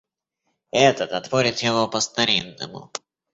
Этот отпорет его по старинному.